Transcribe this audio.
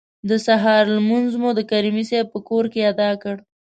د سهار لمونځ مو د کریمي صیب په کور کې ادا کړ.